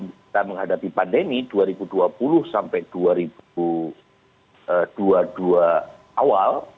kita menghadapi pandemi dua ribu dua puluh sampai dua ribu dua puluh dua awal